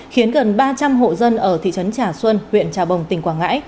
khiến gần ba trăm linh hộ dân ở thị trấn trà xuân huyện trà bồng tỉnh quảng ngãi